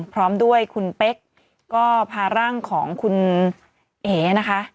พร้อมด้วยคุณเป๊กก็พาร่างของคุณเอ๋นะคะ